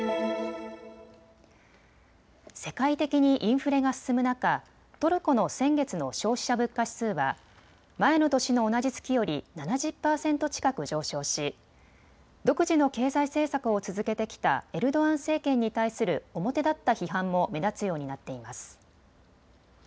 世界的にインフレが進む中、トルコの先月の消費者物価指数は前の年の同じ月より７０％近く上昇し独自の経済政策を続けてきたエルドアン政権に対する表立った批判も目立つようになっています。